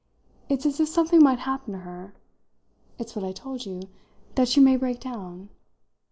"It's as if something might happen to her. It's what I told you that she may break down.